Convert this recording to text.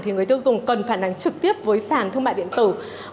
thì người tiêu dùng cần phản ánh trực tiếp với sản thương mại điện tử